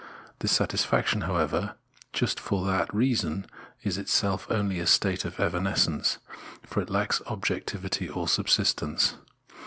This satisfaction, however, just for that reason is itself only a state of evanescence, for it lacks objectivity or subsistence.